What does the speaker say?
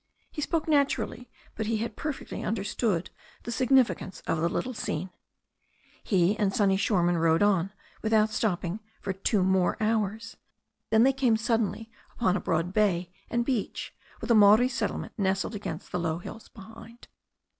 '* He spoke naturally, but he had perfectly understood the sig nificance of the little scene. He and Sonny Shoreman rowed on without stopping for two more hours. Then they came suddenly upon a broad THE STORY OF A NEW ZEALAND RIVER 17 bay and beach, with a Maori settlement nestled against the low hills behind.